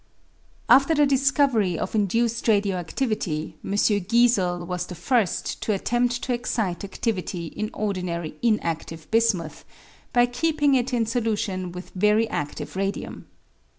After the discovery of induced radio adivity, M. Giesel was the first to attempt to excite adlivity in ordinary in adive bismuth by keeping it in solution with very adlive radium.